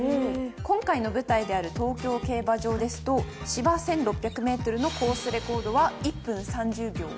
今回の舞台である東京競馬場ですと芝１，６００ｍのコースレコードは１分３０秒５。